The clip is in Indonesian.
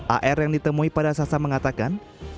ar yang ditemui pada sasa mengatakan